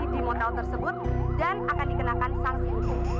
di hotel tersebut dan akan dikenakan sanksi